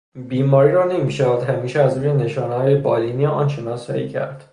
بیماری را نمیشود همیشه از روی نشانههای بالینی آن شناسایی کرد.